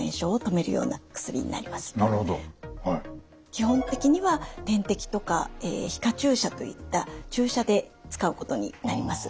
基本的には点滴とか皮下注射といった注射で使うことになります。